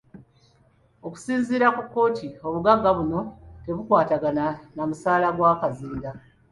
Okusinziira ku kkooti, obugagga buno tebukwatagana na musaala gwa Kazinda.